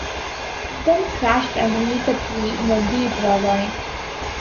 It then crashed underneath a tree in a deep ravine.